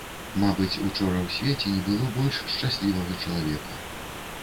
Мабыць, учора ў свеце не было больш шчаслівага чалавека.